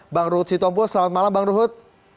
bang ruhut sitompul selamat malam bang ruhut